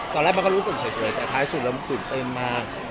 ตอนแรกมันก็รู้สึกเฉยแต่ท้ายสุดแล้วมันตื่นตื้นมาก